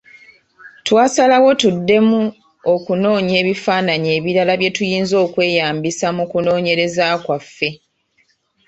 Twasalawo tuddemu okunoonya ebifaananyi ebirala bye tuyinza okweyambisa mu kunoonyereza kwaffe.